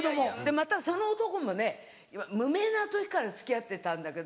またその男もね無名な時から付き合ってたんだけど。